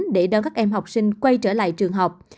để đón các em học sinh quay trở lại trường học